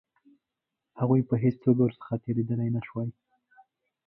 هغوی په هېڅ توګه ورڅخه تېرېدلای نه شوای.